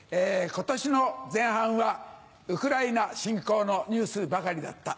今年の前半はウクライナ侵攻のニュースばかりだった。